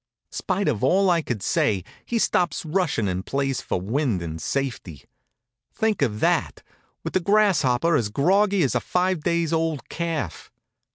Spite of all I could say, he stops rushin' and plays for wind and safety. Think of that, with the Grasshopper as groggy as a five days old calf!